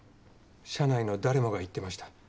社内の誰もが言ってました。